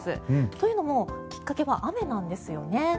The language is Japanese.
というのも、きっかけは雨なんですよね。